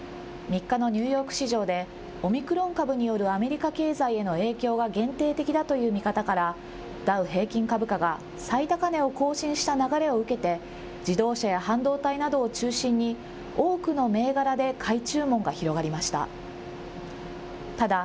３日のニューヨーク市場でオミクロン株によるアメリカ経済への影響は限定的だという見方からダウ平均株価が最高値を更新した流れを受けて自動車や半導体などを中心に多くの銘柄で買い注文が広がりました。